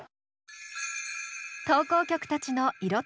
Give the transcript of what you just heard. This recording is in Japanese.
投稿曲たちのいろ